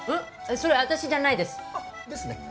それ私じゃないです。ですね。